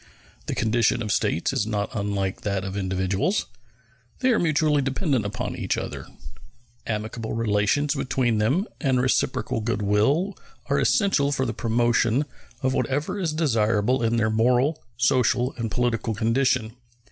The condition of States is not unlike that of individuals; they are mutually dependent upon each other. Amicable relations between them and reciprocal good will are essential for the promotion of whatever is desirable in their moral, social, and political condition.